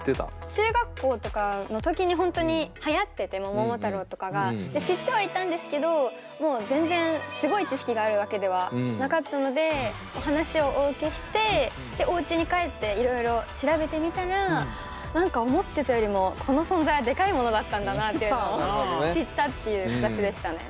中学校とかの時に本当にはやってて「桃太郎」とかが。知ってはいたんですけどもう全然すごい知識があるわけではなかったのでお話をお受けしておうちに帰っていろいろ調べてみたら何か思ってたよりもこの存在はでかいものだったんだなっていうのを知ったっていう形でしたね。